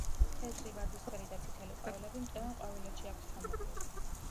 თეთრი, ვარდისფერი და წითელი ყვავილები მტევან ყვავილედში აქვთ თავმოყრილი.